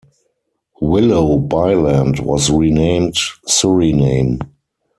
Willoughbyland was renamed Suriname.